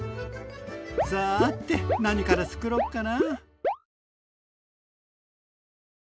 さて何からつくろうかな。